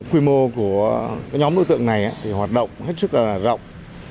quy mô của nhóm đối tượng này thì hoạt động hết sức là rộng